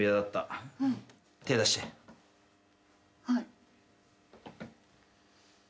はい。